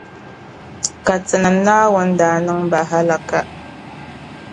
Ka Tinim’ Naawuni daa niŋ ba halaka.